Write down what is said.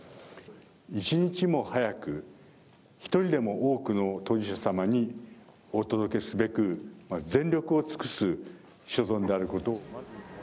一日も早く、１人でも多くの当事者様にお届けすべく、全力を尽くす所存であることを。